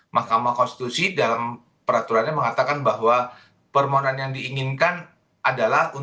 mahkamah konstitusi dalam peraturannya mengatakan bahwa permohonan yang diinginkan adalah